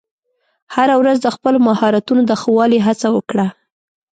هره ورځ د خپلو مهارتونو د ښه والي هڅه وکړه.